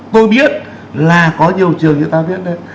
tôi biết là có nhiều trường như ta biết